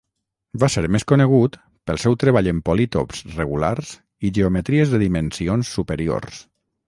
Va ser més conegut pel seu treball en polítops regulars i geometries de dimensions superiors.